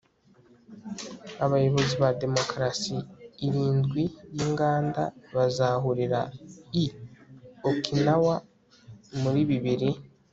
abayobozi ba demokarasi irindwi y'inganda bazahurira i okinawa muri bibiri